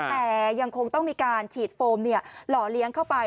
แต่ยังคงต้องมีการฉีดโฟมหล่อเลี้ยงเข้าไป